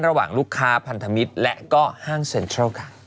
ระหว่างลูกค้าพันธมิตรและก็ห้างเซ็นทรัลค่ะ